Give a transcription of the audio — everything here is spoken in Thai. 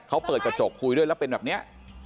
เขาเปิดกระจกคุยด้วยแล้วเป็นแบบนี้